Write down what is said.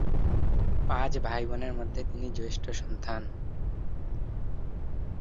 পাঁচ ভাই-বোনের মধ্যে তিনি জ্যেষ্ঠ সন্তান।